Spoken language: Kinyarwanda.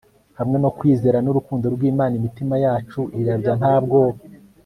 hamwe no kwizera nurukundo rwimana imitima yacu irabya nta bwoba